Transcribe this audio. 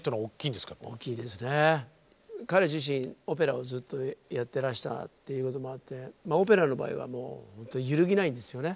彼自身オペラをずっとやってらしたっていうこともあってまあオペラの場合はもうほんと揺るぎないんですよね。